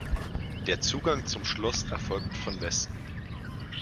Der Zugang zum Schloss erfolgt von Westen.